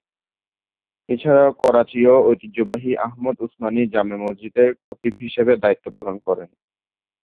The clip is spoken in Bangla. এছাড়াও করাচীর ঐতিহ্যবাহী আহমদ উসমানি জামে মসজিদ এর খতিব হিসেবে দায়িত্ব পালন করেন।